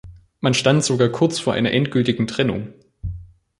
Man stand sogar kurz vor einer endgültigen Trennung.